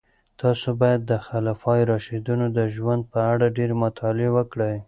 تاسو باید د خلفای راشدینو د ژوند په اړه ډېرې مطالعې وکړئ.